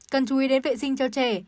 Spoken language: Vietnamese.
cần chú ý đến vệ sinh cho trẻ